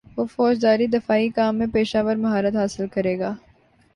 وہ فوجداری دفاعی کام میں پیشہور مہارت حاصل کرے گا